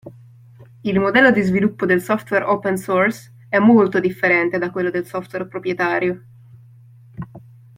Il modello di sviluppo del software open source è molto differente da quello del software proprietario.